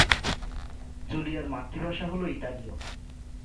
জুলিয়ার মাতৃভাষা হল ইতালিয়।